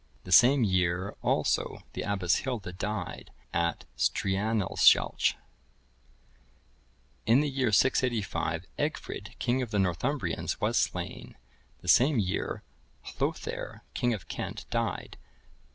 The same year also the Abbess Hilda died at Streanaeshalch. [IV, 17, 18, 23.] In the year 685, Egfrid, king of the Northumbrians, was slain. The same year Hlothere, king of Kent, died.